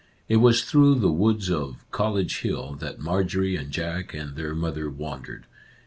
It was through the woods of " College Hill " that Marjorie and Jack and their mother wandered.